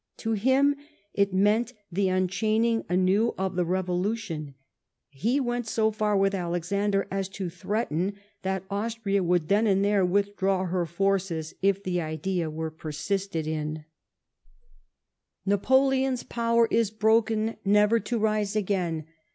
To him it meant the unchaining anew of the Revolution. He went so far with Alexander as to threaten that Austria would then and there withdraw her foi'ces if the idea were persisted in. 126 LIFE OF PBINCE METTEBNIGH. " Napoleon's pcwcr is broken, never to rise again